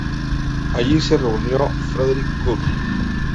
Allí se unió Frederick Cook.